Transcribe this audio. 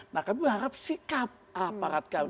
nah kami berharap sikap aparat kami